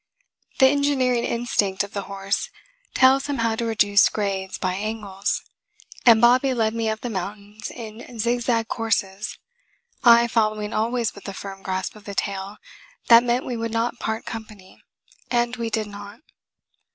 The engineering instinct of the horse tells him how to reduce grades by angles, and Bobby led me up the mountains in zig zag courses, I following always with the firm grasp of the tail that meant we would not part company, and we did not.